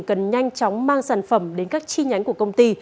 cần nhanh chóng mang sản phẩm đến các chi nhánh của công ty